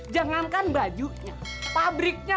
jangankan bajunya pabriknya